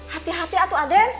hati hati atu aden